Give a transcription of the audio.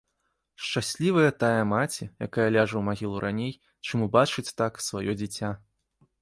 Шчаслівая тая маці, якая ляжа ў магілу раней, чым убачыць так сваё дзіця.